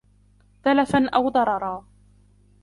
تَلَفًا أَوْ ضَرَرًا